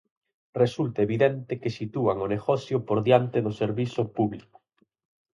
Resulta evidente que sitúan o negocio por diante do servizo público.